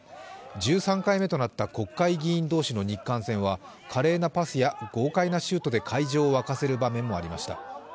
１３回目となった国会議員同士の日韓戦は華麗なパスや豪快なシュートで会場を沸かせる場面もありました。